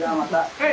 はい。